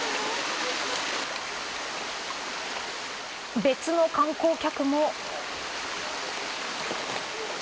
別の観光客も。